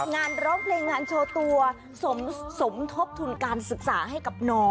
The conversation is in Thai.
ร้องเพลงงานโชว์ตัวสมทบทุนการศึกษาให้กับน้อง